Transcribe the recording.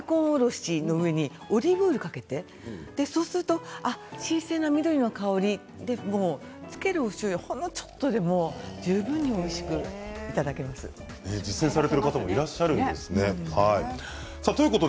お魚を食べる時に大根おろしにオリーブオイルをかけてそうすると新鮮な緑の香りでつけるおしょうゆはほんのちょっとで十分に実践している方もいらっしゃるんですね。